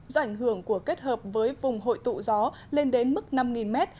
do ảnh hưởng của kết hợp với vùng hội tụ gió lên đến mức năm m